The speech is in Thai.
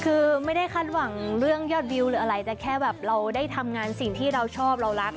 คือไม่ได้คาดหวังเรื่องยอดวิวหรืออะไรแต่แค่แบบเราได้ทำงานสิ่งที่เราชอบเรารัก